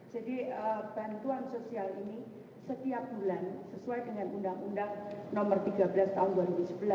jadi bantuan sosial ini setiap bulan sesuai dengan undang undang nomor tiga belas tahun dua ribu sebelas